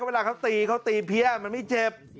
เวลาเขาตีเขาตีเพี้ยมันไม่เจ็บ